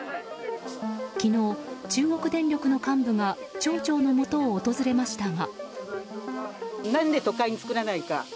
昨日、中国電力の幹部が町長のもとを訪れましたが。